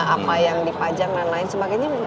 apa yang dipajang dan lain sebagainya